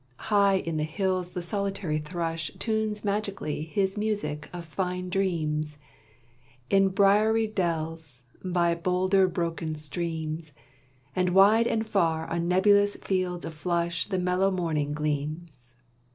High in the hills the solitary thrush Tunes magically his music of fine dreams, In briary dells, by boulder broken streams; And wide and far on nebulous fields aflush The mellow morning gleams.